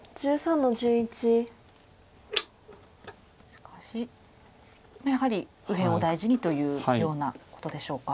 しかしやはり右辺を大事にというようなことでしょうか。